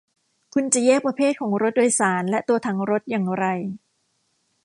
คุณจะแยกประเภทของรถโดยสารและตัวถังรถอย่างไร ?